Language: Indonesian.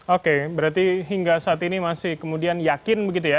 oke berarti hingga saat ini masih kemudian yakin begitu ya